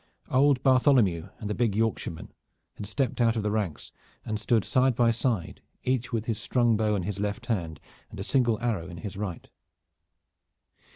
Old Bartholomew and the big Yorkshireman had stepped out of the ranks and stood side by side each with his strung bow in his left hand and a single arrow in his right.